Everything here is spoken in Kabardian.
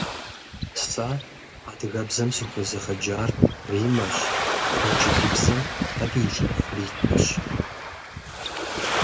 Сэ адыгэбзэм сыхуезыгъэджар Риммэщ, инджылыбзэм - абы и шыпхъу Ритэщ.